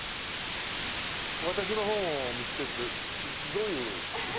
「“わたしの本”を見つける」ってどういう？